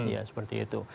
ya seperti itu